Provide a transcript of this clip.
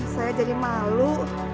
saya jadi malu